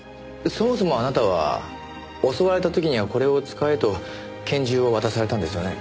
そもそもあなたは襲われた時にはこれを使えと拳銃を渡されたんですよね？